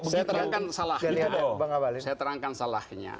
saya terangkan salahnya